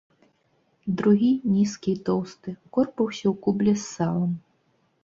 Другі, нізкі і тоўсты, корпаўся ў кубле з салам.